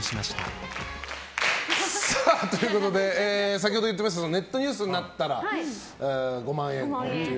先ほど言っていましたがネットニュースになったら５万円という。